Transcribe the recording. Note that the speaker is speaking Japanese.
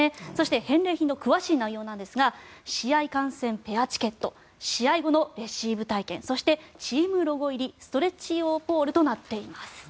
そして返礼品の詳しい内容ですが試合観戦ペアチケット試合後のレシーブ体験そして、チームロゴ入りストレッチ用ポールとなっています。